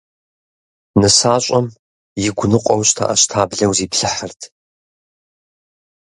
Нысащӏэм игу ныкъуэу, щтэӏэщтаблэу зиплъыхьырт.